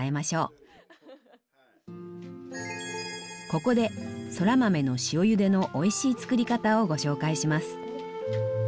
ここでそら豆の塩ゆでのおいしい作り方をご紹介します。